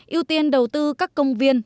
ưu tiên đầu tư các công viên